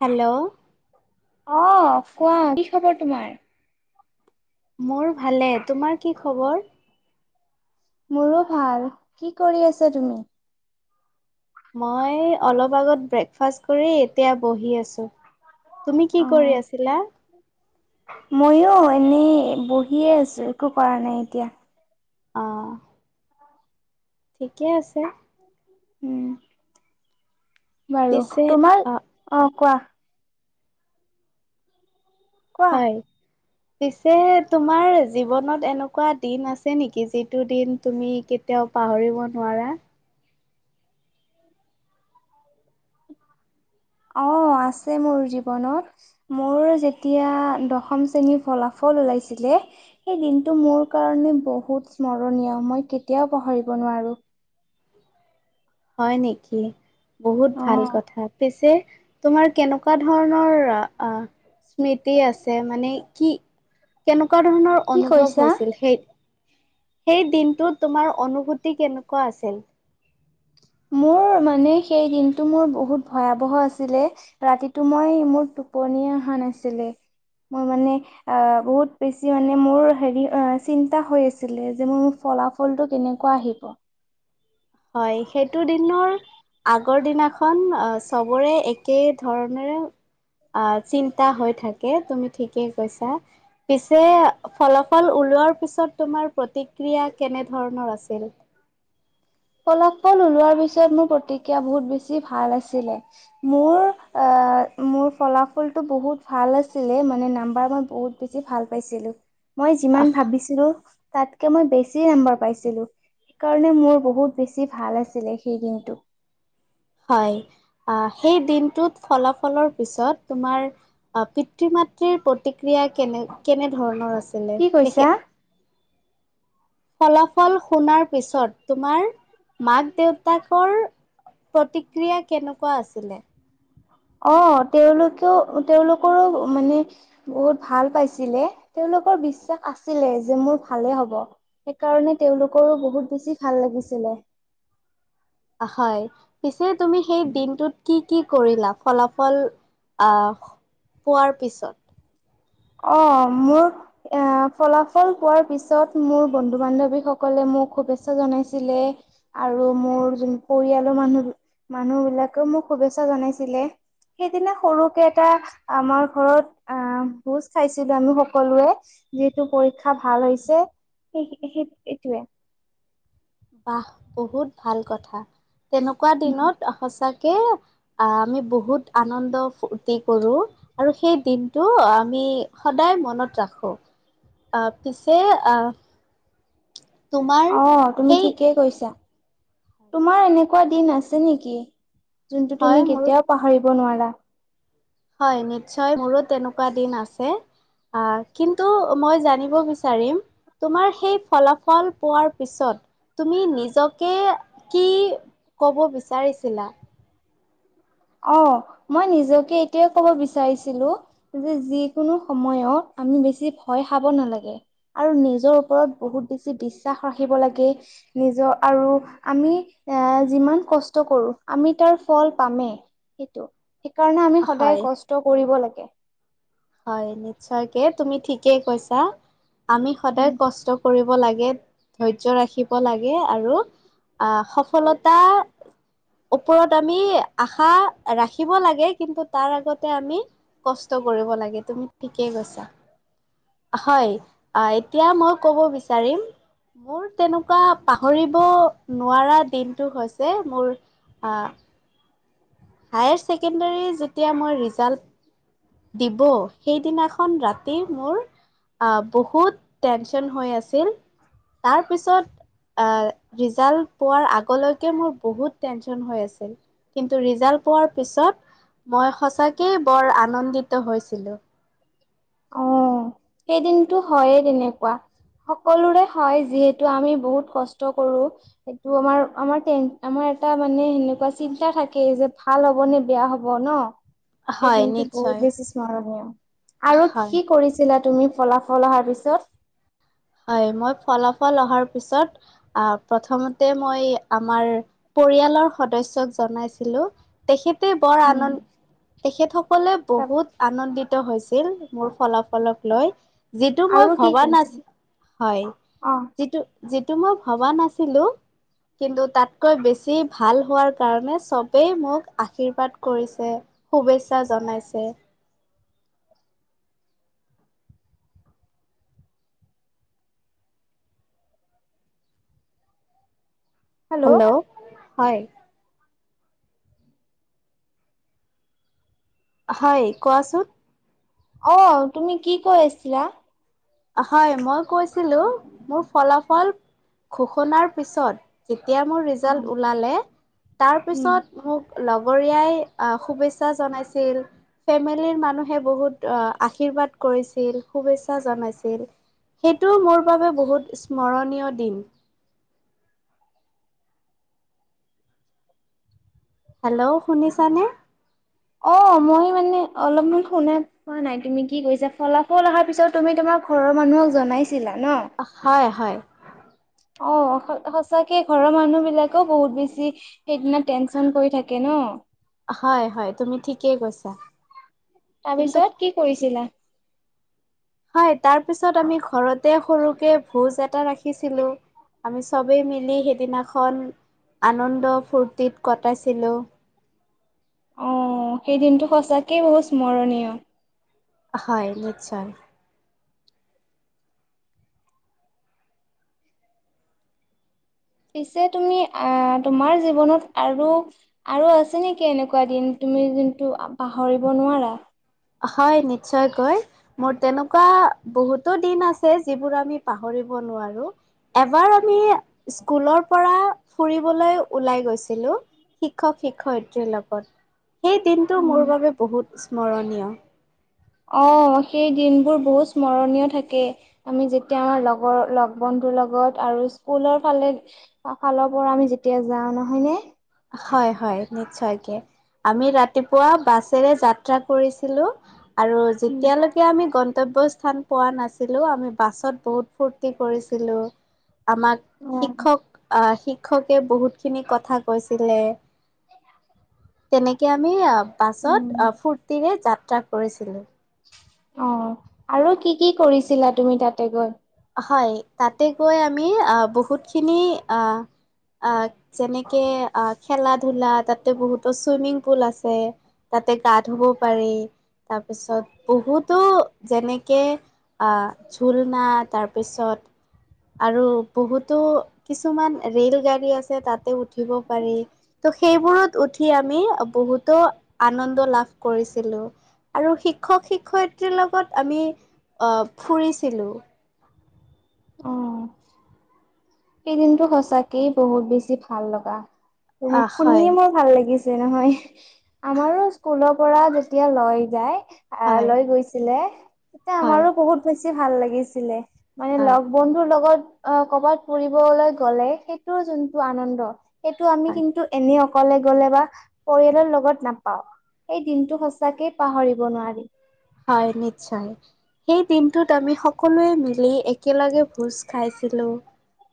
Hello! অ কোৱা কি খবৰ তোমাৰ? মোৰ ভালে। তোমাৰ কি খবৰ? মোৰো ভাল। কি কৰি আছা তুমি? মই অলপ আগত ব্ৰেকফাষ্ট কৰি, এতিয়া বহি আছোঁ। তুমি কি অ', কৰি আছিলা? ময়ো এনেই বহিয়ে আছো, একো কৰা নাই এতিয়া। অঁহ। ঠিকে আছে। উম বাৰু তোমাৰ, অ কোৱা? কোৱা। হয়। পিছে তোমাৰ জীৱনত এনেকুৱা দিন আছে নেকি যিটো দিন তুমি কেতিয়াও পাহৰিব নোৱাৰা? [inaudible] অ আছে মোৰ জীৱনত মোৰ যেতিয়া দশম শ্ৰেণীৰ ফলা- ফল উলাইছিলে সেই দিনটো মোৰ কাৰণে বহুত স্মৰণীয়া মই কেতিয়া পাহৰিব- নোৱাৰো। হয় নেকি বহুত ভাল অ', কথা। পিছে তোমাৰ কেনেকুৱা ধৰণৰ আহ। স্মৃতি আছে মানে কি? কেনেকুৱা ধৰণৰ কি অনুভৱ কৈছা? হৈছিল? সেই সেই দিন। টো তোমাৰ অনুভূতি কেনেকুৱা আছিল? মোৰ মানে সেই দিনটো মোৰ বহুত ভয়াৱহ আছিলে, ৰাতিটো মই মোৰ টো- টোপনি আহা নাছিলে। মোৰ মানে বহুত বেছি মানে মোৰ হে চিন্তা হৈ আছিলে যে মোৰ ফা- ফলাফলটো কেনেকুৱা আহিব? হয় সেইটো দিনৰ। আগৰ দিনাখন আহ চবৰে একে ধৰণেৰে। অ চিন্তা হৈ থাকে তুমি ঠিকেই কৈছা পিছে ফলাফল ও- ৰোৱাৰ পিছত তোমাৰ প্ৰতিক্ৰিয়া কেনেধৰণৰ আছিল? ফলাফল ওলোৱাৰ পিছত মোৰ প্ৰতিক্ৰিয়া বহুত বেছি ভাল আছিলে। মোৰ মোৰ ফলাফুলটো বহুত ভাল আছিলে মানে নাম্বাৰ মই বহুত বেছি ভাল পাইছিলো। মই যিমান আহ ভাবিছিলো তাতকে মই বেছি নম্বাৰ পাইছিলো। সেইকাৰণে মোৰ বহুত বেছি ভাল আছিলে সেই দিনটো। হয়। আহ সেই দিনটোত ফলাফলৰ পিছত তোমাৰ পিতৃ মৃৰ প্ৰতিক্ৰিয়- য়া কেনে কেনে ধৰণৰ আছিলে কি কৈছা? তেখেত। ফলাফল শুনাৰ পিছত, তোমাৰ মাক দেউতাকৰ। প্ৰতিক্ৰিয়া কেনেকুৱা আছিলে? অ তেওঁলোকেও তেওঁলোকৰো মানে বহুত ভাল পাইছিলে। তেওঁলোক। ক বিশ্বাস আছিলে যে মোৰ ভালে হব সেইকাৰণে তেওঁলোকৰো বহুত বেছি ভাল লাগিছিল। লে। হয় পিছে তুমি সেই দিনটোত কি কি কৰিলা ফলাফল। আহ পোৱাৰ পিছত। অ মোৰ এ ফলাফল পোৱাৰ পিছত মোৰ বন্ধু বান্ধৱীসকলে ম- মোক শুভেচ্ছা জনাইছিলে আৰু মোৰ যোন পৰিয়ালৰ মানুহ। মানুহ বিলাকে মোক শুভেচ্ছা জনাইছিলে। সেইদিনা সৰুকে এটা আমাৰ ঘৰত আ। ভোজ খাইছিলো, আমি সকলোৱে যিহেতু পৰীক্ষা ভাল হৈছে। সেই সেই এইটোৱে। বাহ বহুত ভাল কথা। তেনেকোৱা দিনত সঁচাকে আহ আমি বহুত আনন্দ ফূৰ্তি কৰোঁ। আৰু সেই দিনটো আমি সদায় মনত ৰাখো। আহ পিছে আহ তোমাৰ অ তুমি সেই ঠিকেই কৈছা। তোমাৰ এনেকোৱা দিন আছে নেকি? যোনটো হয় তুমি মোৰো কেতিয়াও পাহৰিব নোৱাৰা। হয় নিশ্চয় মোৰো তেনেকোৱা দিন আছে। আহ কিন্তু মই জানিব বিচাৰিম তোমাৰ সেই ফলাফল পোৱাৰ পিছত তুমি নিজকে কি কব বিচাৰিছিলা? অ মই নিজকে এটোৱেই ক'ব বিচাৰিছিলো যে, যিকোনো সময়ত আমি বেছি ভয় খাব নালাগে আৰু নিজৰ ওপৰত বহুত বেছি বিশ্বাস ৰাখিব লাগে। নিজৰ আৰু আমি এ যিমান কষ্ট কৰো আমি তাৰ ফল পামেই। সেইটো সেইকাৰণে আমি সদায় হয় কষ্ট কৰিব লাগে। হয় নিশ্চয়কে তুমি ঠিকেই কৈছা আমি সদায় উম। কষ্ট কৰিব লাগে ধৈৰ্য্য ৰাখিব লাগে আৰু আহ সফলতা ওপৰত আমি আশা ৰাখিব লাগে কিন্তু তাৰ আগতে আমি কষ্ট কৰিব লাগে তুমি ঠিকেই কৈছা হয় আ এতিয়া মই কব বিচাৰিম মোৰ তেনেকোৱা পাহৰিব নোৱাৰা দিনটো হৈছে মোৰ- আ- হায়াৰ ছেকেণ্ডৰী যেতিয়া মই ৰিজাল্ট দিব সেইদিনাখন ৰাতি মোৰ আহ বহুত টেনশন হৈ আছিল তাৰপিছত অ ৰিজাল্ট পোৱাৰ আগলৈকে মোৰ বহুত টেনচন হৈ আছিল কিন্তু ৰিজাল্ট পোৱাৰ পিছত মই সঁচাকে বৰ আনন্দিত হৈছিলো- অ সেইদিনটো হয়ে তেনেকোৱা- সকলোৰে হয় যিহেতু আমি বহুত কষ্ট কৰো সেইটো আমাৰ আমাৰ আমাৰ এটা মানে সেনেকোৱা চিন্তা থাকে যে ভাল হব নে বেয়া হব ন- সেই হয় দিনটো বহুত নিশ্চয় বেছি স্মৰণীয় আৰু হয় কি কৰিছে ছিলা তুমি ফলাফল অহাৰ পিছত হয় মই ফলাফল অহাৰ পিছত আহ প্ৰথমতে মই আমাৰ- পৰিয়ালৰ সদস্যক জনাইছিলো তেখেত- তে বৰ উম, আনন্দ তেখেতসকলে তা বহুত আনন্দিত- হৈছিল মোৰ ফলাফলক লৈ যিটো আৰু মই কি ভবা কৰিছিলা? নাছি- হয় অ', যিটো যিটো মই ভবা নাছিলো- কিন্তু তাতকৈ বেছি ভাল হোৱাৰ কাৰণে চবেই মোক আশীৰ্বাদ কৰিছে- শুভেচ্ছা জনাইছে- হেল্ল'- হয়- হয় কোৱাচোন- অ তুমি কি কৈ আছিলা- হয় মই কৈছিলো মোৰ ফলাফল ঘোষণাৰ পিছত যে তিয়া মোৰ অ', ৰিজাল্ট ওলালে উম। তাৰপিছত মোক লগৰীয়াই- আহ শুভেচ্ছা জনাইছিল ফেমিলিৰ মানুহে বহুত আশীৰ্বাদ কৰিছিল শুভেচ্ছা জনাইছিল সেইটোও মোৰ বাবে বহুত স্মৰণীয় দিন হেল্ল' শুনিছানে অ মই মানে অলপমান শুনা পোৱা নাই তুমি কি কৈছা ফলাফল অহাৰ পিছত তুমি তোমাৰ ঘৰৰ মানুহক জনাই অ' হয় - হয়। অ' স- সঁচাকে ঘৰৰ মানুহবিলাকেও বহুত বেছি সেইদিনা টেনচন কৰি থাকে ন'? হয় - হয়, তুমি ঠিকেই কৈছা। কিন্তু তাৰপিছত কি কৰিছিলা? হয়, তাৰ পিছত আমি ঘৰতে সৰুকে ভোজ এটা ৰাখিছিলোঁ। আমি চবেই মিলি সেইদিনাখন আনন্দ ফূৰ্তিত কটাইছিলোঁ। অ' সেই দিনটো সঁচাকেই বহুত স্মৰণীয়। হয়, নিশ্চয়। পিছে তুমি অ'- তোমাৰ জীৱনত আৰু - আৰু আছে নেকি এনেকুৱা দিন? তুমি যোনটো পাহৰিব নোৱাৰা। হয়, নিশ্চয়কৈ। মোৰ তেনেকুৱা বহুতো দিন আছে, যিবোৰ আমি পাহৰিব নোৱাৰোঁ। এবাৰ আমি স্কুলৰ পৰা ফুৰিবলৈ ওলাই গৈছিলোঁ। শিক্ষক-শিক্ষয়িত্ৰীৰ লগত। সেই দিনটো মোৰ উম। বাবে বহুত স্মৰণীয়। অ' সেই দিনবোৰ বহুত স্মৰণীয় থাকে। আমি যেতিয়া লগৰ- লগ ব ন্ধুৰ লগত আৰু স্কুলৰ ফালে- ফালৰ পৰা আমি যেতিয়া যাওঁ, নহয় নে? হয় - হয়, নিশ্চয়কে। আমি ৰাতিপুৱা বাছেৰে যাত্ৰা কৰিছিলোঁ আৰু যেতিয়ালৈকে আমি গন তব্য স্থান পোৱা নাছিলোঁ, আমি বাছত বহুত ফূৰ্তি কৰিছিলোঁ। আমাক অ' শিক্ষক অ'- শিক্ষকে বহুতখিনি কথা কৈছিলে। তেনেকে আমি অ'- বাছত উম, অ'- ফুৰ্তিৰে যাত্ৰা কৰিছিলোঁ। অ'। আৰু কি - কি কৰিছিলা তুমি তাতে গৈ? হয়, তাতে গৈ আমি অ'- বহুতখিনি অ' অ' যেনেকে অ' খেলা-ধুলা, তাতে বহুতো চুইমিংপুল আছে তাতে গা ধুব পাৰি। তাৰপিছত বহুতো যেনেকে অ'- ঝুলনাত তাৰপিছত আৰু বহুতো কিছুমান ৰেলগাড়ী আছে, তাতে উঠিব পাৰি। তো সেইবোৰত উঠি আমি বহুতো আনন্দ লাভ কৰিছিলোঁ। আৰু শিক্ষক-শিক্ষয়িত্ৰীৰ লগত আমি অ'- ফুৰিছিলোঁ। অ'। সেইদিনটো সচাঁকেই বহুত বেছি ভাল লগা। শুনি- হয় শুনিয়ে মোৰ ভাল লাগিছ যে নহয়। আমাৰো স্কুলৰ পৰা যেতিয়া লৈ যায় অ'- হয়, লৈ গৈছিলে, তেতিয়া হয়, আমাৰো বহুত বেছি ভাল লাগিছিলে। মানে হয়। লগ বন্ধুৰ লগত অ'- কবাত ফুৰিবলৈ গ'লে, সেইটোৰ যোনটো আনন্দ সেইটো আমি হয়, কিন্তু এনে অকলে গ'লে বা পৰিয়ালৰ লগত নাপাওঁ। সেই দিনটো সঁচাকে পাহৰিব নোৱাৰি। হয়, নিশ্চয়। সেই দিনটোত আমি সকলোৱে মিলি একেলগে ভোজ খাইছিলোঁ।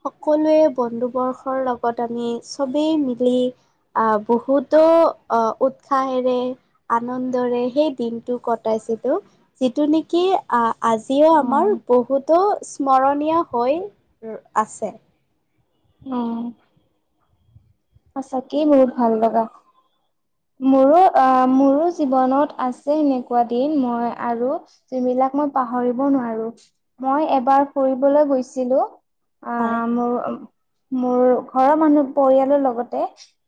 সকলোৱে বন্ধুবৰ্ষৰ লগত আমি চবেই মিলি অ'- বহুতো অ' উৎসাহেৰে, আনন্দৰে সেই দিনটো কট টাইছিলোঁ। যিটো নেকি অ' আজিও আমাৰ অ', বহুতো স্মৰণীয় হৈ আছে। অ'। সঁচাকেই বহুত ভাল লগা। মোৰো অ' মোৰো জীৱনত আছে এনেকুৱা দিন। মই আৰু এইবিলাক মই পাহৰিব নোৱাৰো মই এবাৰ ফুৰিবলৈ গৈছিলো অ হয়, মোৰ মোৰ ঘৰৰ মানুহ পৰিয়ালৰ লগত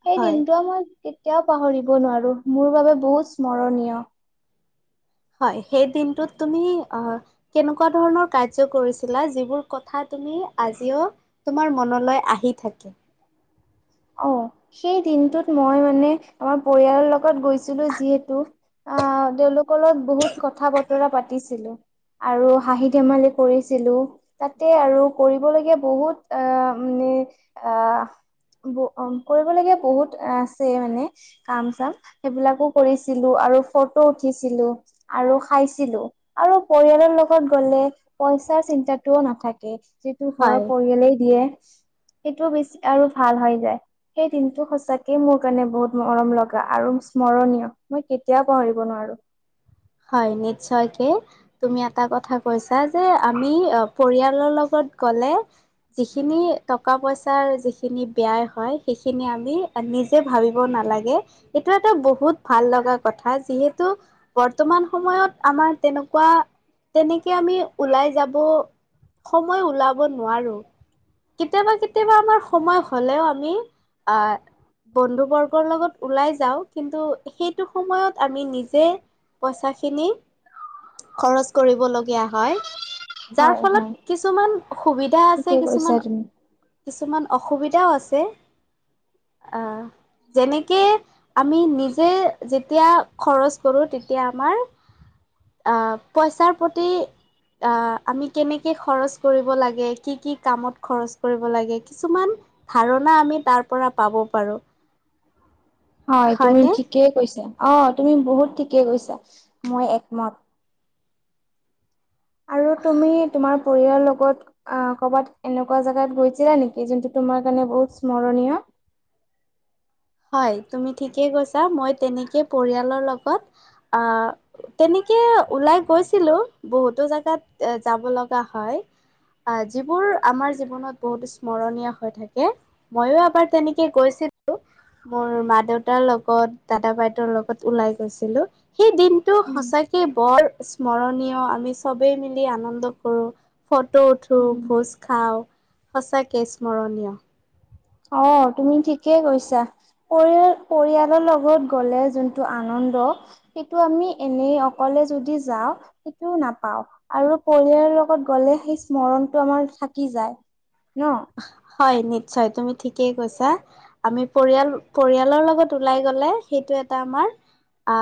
সেই হয়। দিনটো মই কেতিয়াও পাহৰিব নোৱাৰোঁ মোৰ বাবে বহুত স্মৰণীয়। হয় সেই দিনটোত তুমি অ কেনেকুৱা ধৰণৰ কাৰ্য কৰিছিলা যিবোৰ কথাত তুমি আজিও তোমাৰ মনলৈ আহি থাকে অ সেই দিনটোত মই মানে আমাৰ পৰিয়ালৰ লগত গৈছিলো যিহেতু আ তেওঁলোকৰ লগত বহুত কথা বতৰা পাতিছিলো আৰু হাঁহি ধেমালি কৰিছিলো তাতে আৰু কৰিবলগীয়া বহুত আ ম আ ব অ কৰিবলগীয়া বহুত আছে মানে কাম চাম সেইবিলাকো কৰিছিলো ফটো উঠিছিলো আৰু খাইছিলো আৰু পৰিয়ালৰ লগত গলে চিন্তাটোও নাথাকে যিটো ঘৰৰ হয় পৰিয়ালেই দিয়ে সেইটো বি আৰু ভাল হয় যায় সেই দিনটো সচাঁকে মোৰ কাৰণে বহুত মৰম লগা আৰু স্মৰণীয় মই কেতিয়াও পাহৰিব নোৱাৰো। হয় নিশ্চয়কে তুমি এটা কথা কৈছা যে আমি পৰিয়ালৰ লগত গ'লে যিখিনি টকা পইচাৰ যিখিনি ব্যয় হয় সেইখিনি আমি নিজে ভাবিব না লাগে এটো এটা বহুত ভাল লগ কথা যিহেতু বৰ্তমান সময়ত আমাৰ তেনেকুৱা তেনেকে আমি ওলাই যাব সময় ওলাব নোৱাৰো। কেতিয়াবা কেতিয়াবা আমাৰ সময় হলেও আমি আহ বন্ধু বৰ্গৰ লগত ওলাই যাওঁ কিন্তু সেইটো সময়ত আমি নিজে পইচা খিনি খৰচ কৰিবলগীয়া হয়। যাৰ হয় হয় ফলত কিছুমান সুবিধা আছে ঠিকে কৈছা কিছুমান তুমি। কিছুমান অসুবিধাও আছে। [unintelligible] আহ যেনেকে আমি নিজে যেতিয়া খৰচ কৰো তেতিয়া আমাৰ পইচাৰ প্ৰতি অ আমি কেনেকে খৰচ কৰিব লাগে, কি কি কামত খৰচ কৰিব লাগে কিছুমান ধাৰণা আমি তাৰ পৰা পাব পাৰো। হয়, তুমি হয়নে ঠিকেই কৈছা। অ তুমি বহুত ঠিকে কৈছা মই একমত। আৰু তুমি তোমাৰ পৰিয়ালৰ লগত কৰবাত এনেকুৱা জেগাত গৈছিলা নেকি যোনটো তোমাৰ কাৰণে বহুত স্মৰণীয়? [unintelligible] হয় তুমি ঠিকেই কৈছা মই তেনেকে পৰিয়ালৰ লগত আ তেনে কে ওলাই গৈছিলো বহুতো জেগাত এ যাব লগা হয়। আহ যিবোৰ আমাৰ জীৱনত বহুত স্মৰণীয় হৈ থাকে, মইয়ো এবাৰ তেনেকে গৈছো। মোৰ মা দেউতাৰ লগত দাদা বাইদেউৰ লগত ওলাই গৈছিলো। সেই দিনটো সঁচাকে বৰ স্মৰণীয় আমি চবেই মিলি আনন্দ কৰোঁ। ফটো উঠো, উম ভোজ খাওঁ সঁচাকে স্মৰণীয়। অ তুমি ঠিকেই কৈছা পৰিয় পৰিয়ালৰ লগত গলে যোনটো আন ন্দ সেইটো আমি এনে অকলে যদি যাওঁ সেইটো নাপাওঁ আৰু পৰিয়ালৰ লগত গ'লে সেই স্মৰণটো আমাৰ থাকি যায় ন। হয় নিশ্চয় তুমি ঠিকেই কৈছা আমি পৰিয়াল পৰিয়ালৰ লগত ওলাই গলে সেইটো এটা আমাৰ আ